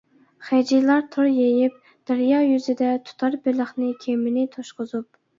خېجېلار تور يېيىپ دەريا يۈزىدە، تۇتار بېلىقنى كېمىنى توشقۇزۇپ.